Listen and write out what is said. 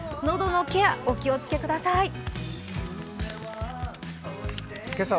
喉のケア、お気をつけください。